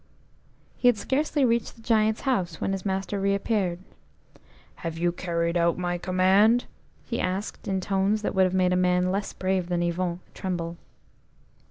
He had acarcely reached the Giant's house when his master reappeared. "Have you carried out my command?" he asked in tones that would have made a man less brave than Yvon tremble.